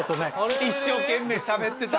一生懸命しゃべってた。